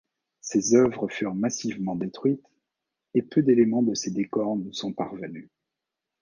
Ses œuvres furent massivement détruites, et peu d'éléments de ses décors nous sont parvenus.